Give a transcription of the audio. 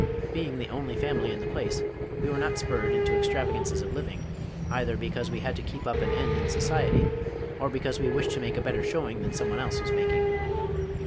Being the only family in the place we were not spurred into extravagances of living, either because we had to keep up an end in society, or because we wished to make a better showing than someone else was making.